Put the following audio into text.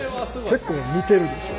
結構似てるでしょ？